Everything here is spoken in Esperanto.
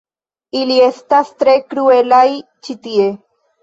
Ili estas tre kruelaj ĉi tie